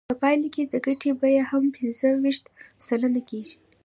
په پایله کې د ګټې بیه هم پنځه ویشت سلنه کېږي